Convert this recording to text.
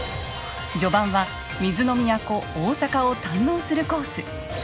序盤は水の都大阪を堪能するコース。